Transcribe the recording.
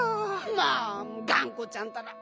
まあがんこちゃんたら！